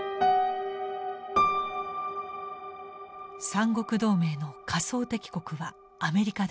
三国同盟の仮想敵国はアメリカでした。